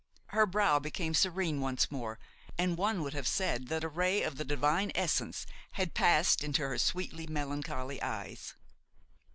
Her brow became serene once more, and one would have said that a ray of the Divine essence had passed into her sweetly melancholy eyes.